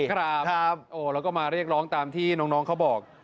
ครับแล้วก็มาเรียกร้องตามที่น้องเขาบอก